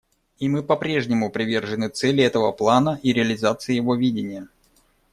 И мы по-прежнему привержены цели этого плана и реализации его видения.